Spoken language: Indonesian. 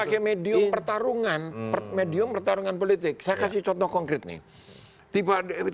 sebagai medium pertarungan medium pertarungan politik saya kasih contoh konkret nih tiba ada